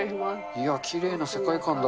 いや、きれいな世界観だ。